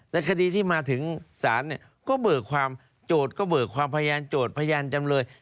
คดีที่มาถึงศาลเนี่ยก็เบิกความโจทย์ก็เบิกความพยานโจทย์พยานจำเลย